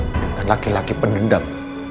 dengan laki laki pendendam